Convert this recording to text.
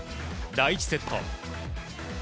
第１セット